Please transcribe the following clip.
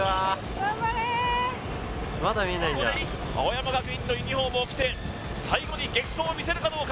頑張れ青山学院のユニホームを着て最後に激走をみせるかどうか？